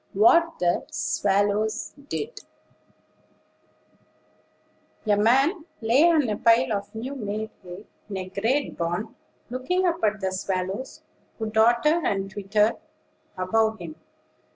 WHAT THE SWALLOWS DID. A man lay on a pile of new made hay, in a great barn, looking up at the swallows who darted and twittered above him.